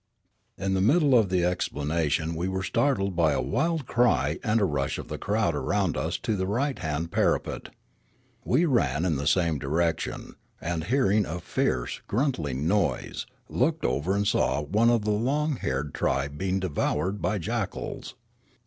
In the middle of the explanation we were startled by a wild cry and a rush of the crowd around us to the right hand parapet. We ran in the same direction, and, hearing a fierce, gruntling noise, looked over and saw one of the long haired tribe being devoured by jackals.